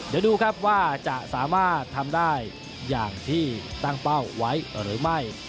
เดี๋ยวดูครับว่าจะสามารถทำได้อย่างที่ตั้งเป้าไว้หรือไม่